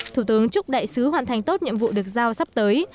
thủ tướng chúc đại sứ hoàn thành tốt nhiệm vụ được giao sắp tới